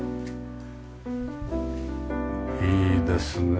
いいですね。